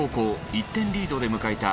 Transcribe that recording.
１点リードで迎えた